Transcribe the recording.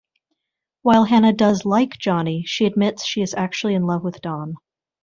While Hannah does like Johnny, she admits she is actually in love with Don.